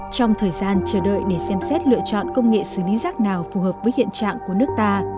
trong thời gian chờ đợi để xem xét lựa chọn công nghệ xử lý rác nào phù hợp với hiện trạng của nước ta